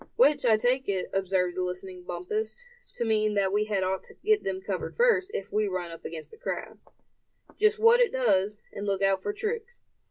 "Which I take it," observed the listening Bumpus, "to mean, that we had ought to get them covered first, if we run up against the crowd." "Just what it does, and look out for tricks.